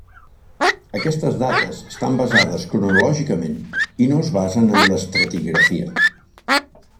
Aquestes dates estan basades cronològicament i no es basen en l'estratigrafia.